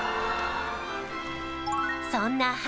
そんな花